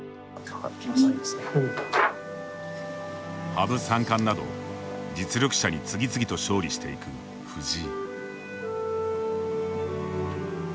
羽生三冠など実力者に次々と勝利していく藤井。